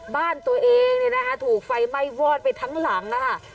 บ้านตัวเองเนี่ยนะคะถูกไฟไหม้วอดไปทั้งหลังนะคะ